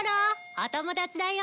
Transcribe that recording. お友達だよ。